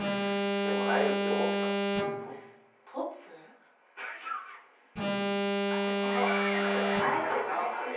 でも、会えるって思ってたもとっつー。